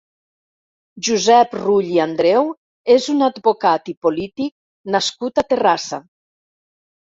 Josep Rull i Andreu és un advocat i polític nascut a Terrassa.